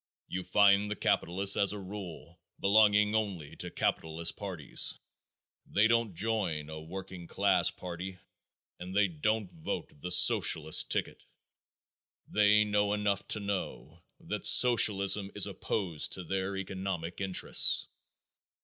You find the capitalists as a rule belonging only to capitalist parties. They don't join a working class party and they don't vote the Socialist ticket. They know enough to know that Socialism is opposed to their economic interests.